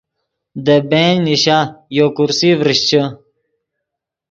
دے بنچ نیشا یو کرسی ڤریشچے